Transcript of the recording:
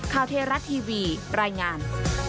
ข้าวเทราะต์ทีวีรายงาน